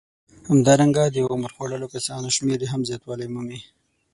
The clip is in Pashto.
همدارنګه د عمر خوړلو کسانو شمېر هم زیاتوالی مومي